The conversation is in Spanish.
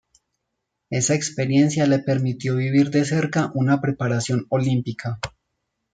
Esa experiencia le permitió vivir de cerca una preparación Olímpica.